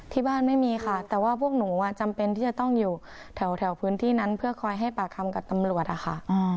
ไม่มีค่ะแต่ว่าพวกหนูจำเป็นที่จะต้องอยู่แถวพื้นที่นั้นเพื่อคอยให้ปากคำกับตำรวจอะค่ะ